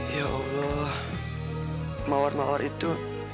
ya allah mawar mawar itu